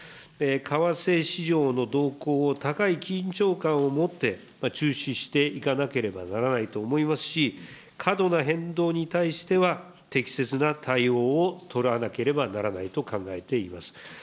為替市場の動向を高い緊張感を持って注視していかなければいけないと思いますし、過度な変動に対しては、適切な対応を取らなければならないと考えています。